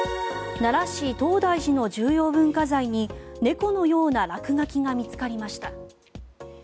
奈良市・東大寺の重要文化財に猫のような落書きが見つかりました。